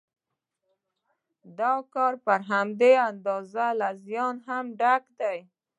دا کار پر همدې اندازه له زیانه هم ډک دی